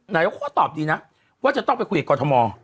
นายกเขาก็ตอบดีนะว่าจะต้องไปคุยกับกรทม